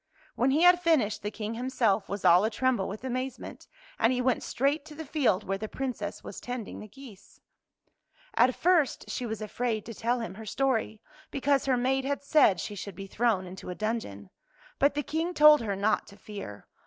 When he had finished the King himself was all a tremble with amazement, and he went straight to the field where the Princess was tending the geese. [ 131 ] FAVORITE FAIRY TALES RETOLD At first she was afraid to tell him her story, because her maid had said she should be thrown into a dungeon. But the King told her not to fear.